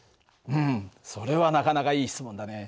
うんそれはなかなかいい質問だね。